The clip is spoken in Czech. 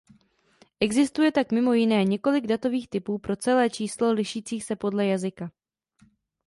Existuje tak mimo jiné několik datových typů pro celé číslo lišících se podle jazyka.